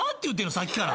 さっきから。